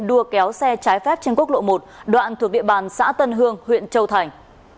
đua kéo xe trái phép trên quốc lộ một đoạn thuộc địa bàn xã tân hương huyện châu thành